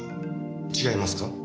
違いますか？